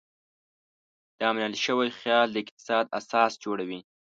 دا منل شوی خیال د اقتصاد اساس جوړوي.